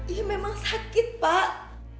iya memang sakit pak